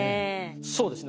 そうですね。